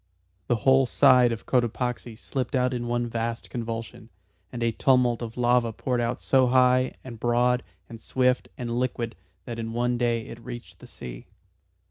The whole side of Cotopaxi slipped out in one vast convulsion, and a tumult of lava poured out so high and broad and swift and liquid that in one day it reached the sea.